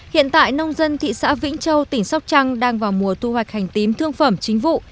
hiện tại nông dân thị xã vĩnh châu tỉnh sóc trăng đang vào mùa thu hoạch hành tím thương phẩm chính vụ